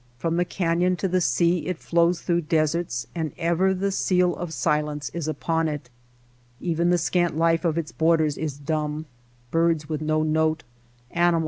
From the canyon to the sea it flows through deserts, and ever the seal of silence is upon it. Even the scant life of its borders is dumb — birds with no note, animals Snipe. Sad bird life.